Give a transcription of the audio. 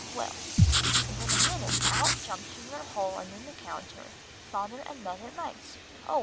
Well, and in a minute out jumped from their hole under the counter Father and Mother Mice, oh!